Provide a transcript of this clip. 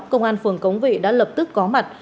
công an phường cống vị đã lập tức có mặt